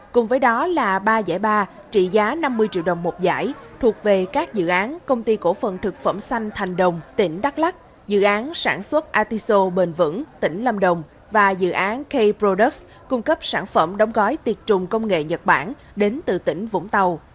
cùng với đó là ba giải ba trị giá năm mươi triệu đồng một giải thuộc về các dự án công ty cổ phần thực phẩm xanh thành đồng tỉnh đắk lắc dự án sản xuất artiso bền vững tỉnh lâm đồng và dự án k product cung cấp sản phẩm đóng gói tiệt trùng công nghệ nhật bản đến từ tỉnh vũng tàu